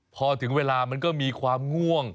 พอถึงเวลามันก็มีความง่วง